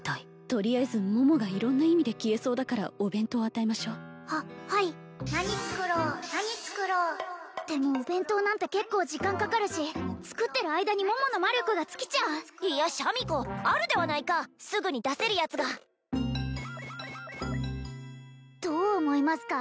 とりあえず桃が色んな意味で消えそうだからお弁当を与えましょうははいでもお弁当なんて結構時間かかるし作ってる間に桃の魔力が尽きちゃういやシャミ子あるではないかすぐに出せるやつがどう思いますか？